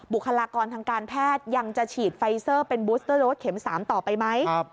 บุคลากรทางการแพทย์ยังจะฉีดไฟเซอร์เป็นบูสเตอร์โดสเข็ม๓ต่อไปไหม